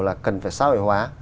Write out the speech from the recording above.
là cần phải xã hội hóa